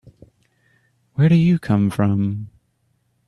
Where do you come from?